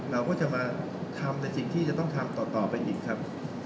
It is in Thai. เราก็จะมาทำในสิ่งที่จะต้องทำต่อไปอีกครับ